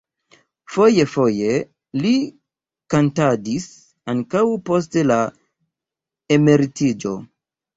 Foje-foje li kantadis ankaŭ post la emeritiĝo.